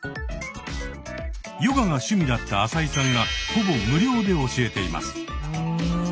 ヨガが趣味だった浅井さんがほぼ無料で教えています。